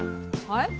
はい？